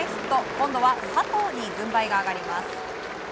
今度は佐藤に軍配が上がります。